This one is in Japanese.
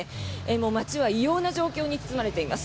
もう街は異様な状況に包まれています。